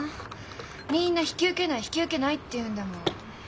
みんな「引き受けない」「引き受けない」って言うんだもん。